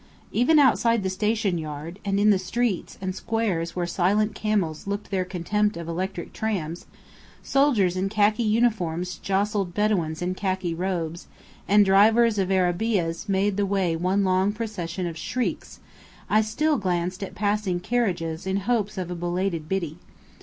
Even outside the station yard, and in the streets and squares where silent camels looked their contempt of electric trams, soldiers in khaki uniforms jostled Bedouins in khaki robes, and drivers of arabeahs made the way one long procession of shrieks, I still glanced at passing carriages in hopes of a belated Biddy.